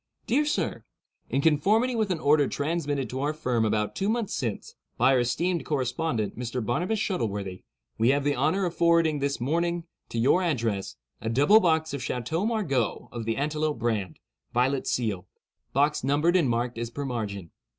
"Dear Sir—In conformity with an order transmitted to our firm about two months since, by our esteemed correspondent, Mr. Barnabus Shuttleworthy, we have the honor of forwarding this morning, to your address, a double box of Chateau Margaux of the antelope brand, violet seal. Box numbered and marked as per margin.